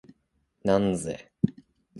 なんぜ？